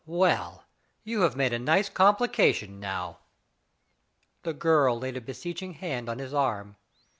"Well ! you have made a nice complication, now." The girl laid a beseeching hand on his arm.